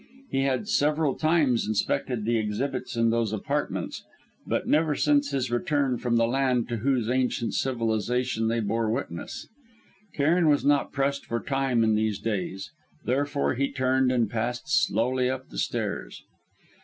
He had several times inspected the exhibits in those apartments, but never since his return from the land to whose ancient civilisation they bore witness. Cairn was not pressed for time in these days, therefore he turned and passed slowly up the stairs.